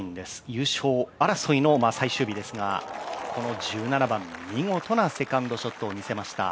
優勝争いの最終日ですがこの１７番、見事なセカンドショットを見せました。